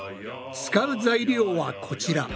使う材料はこちら。